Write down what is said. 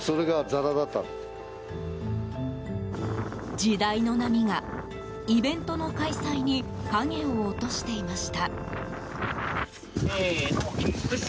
時代の波がイベントの開催に影を落としていました。